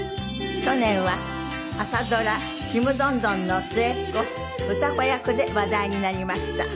去年は朝ドラ『ちむどんどん』の末っ子歌子役で話題になりました。